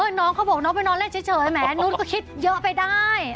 น้องเขาบอกน้องไปนอนเล่นเฉยแหมนุษย์ก็คิดเยอะไปได้